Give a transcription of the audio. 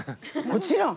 もちろん。